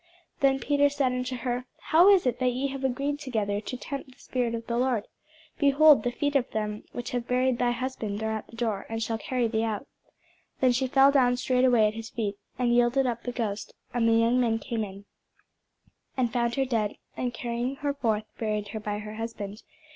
Then Peter said unto her, How is it that ye have agreed together to tempt the Spirit of the Lord? behold, the feet of them which have buried thy husband are at the door, and shall carry thee out. Then fell she down straightway at his feet, and yielded up the ghost: and the young men came in, and found her dead, and, carrying her forth, buried her by her husband.